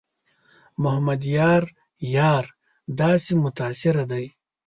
محمد یار یار داسې متاثره دی.